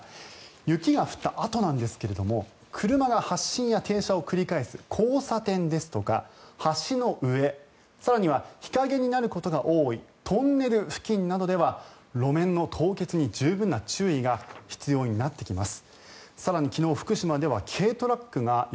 雪が降ったあとなんですが車が発進や停止を繰り返す交差点ですとか橋の上更には日陰になることが多いトンネル付近などでは路面の凍結に十分な注意が必要になってきます。